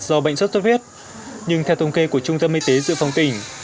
do bệnh xuất xuất huyết nhưng theo thông kê của trung tâm y tế dự phòng tỉnh